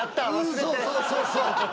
そうそうそうそう。